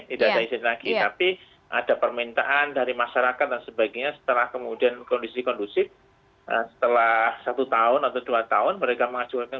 tidak ada izin lagi tapi ada permintaan dari masyarakat dan sebagainya setelah kemudian kondisi kondusif setelah satu tahun atau dua tahun mereka mengajukan